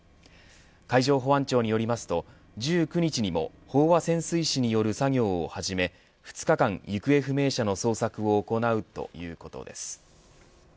海上保安庁によりますと１９日にも飽和潜水士による作業を始め２日間、行方不明者の捜索を行うということです。